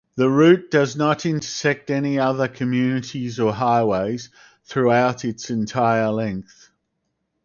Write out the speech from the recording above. The route does not intersect any other communities or highways throughout its entire length.